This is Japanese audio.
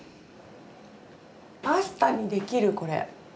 パスタにできるこれ！